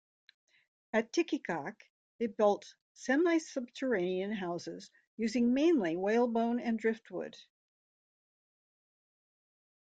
At Tikigaq, they built semi-subterranean houses using mainly whalebone and driftwood.